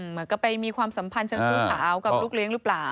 เหมือนกับไปมีความสัมพันธ์เชิงชู้สาวกับลูกเลี้ยงหรือเปล่า